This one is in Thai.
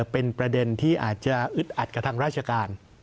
เป็นประเด็นที่อาจจะอึดอัดกับทางราชการ